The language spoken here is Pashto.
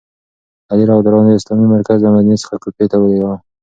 علي رض د اسلامي مرکز له مدینې څخه کوفې ته ولیږداوه.